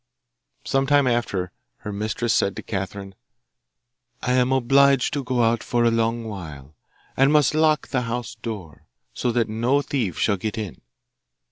Some time after her mistress said to Catherine, 'I am obliged to go out for a long while, and must lock the house door, so that no thieves shall get in.